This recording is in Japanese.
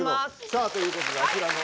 さあということであちらの。